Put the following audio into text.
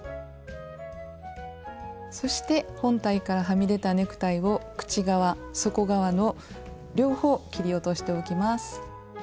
そして本体からはみ出たネクタイを口側底側の両方切り落としておきます。